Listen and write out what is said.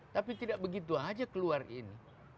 tapi tidak begitu saja keluar ini